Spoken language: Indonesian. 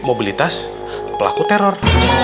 mobilitas pelaku teror